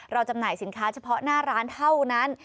จำหน่ายสินค้าเฉพาะหน้าร้านเท่านั้น